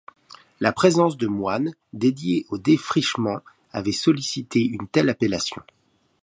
La présence de moines dédiée au défrichement avait sollicitée une telle appellation.